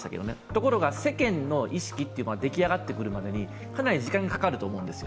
ところが世間の意識が出来上がってくるまでにかなり時間がかかると思うんです。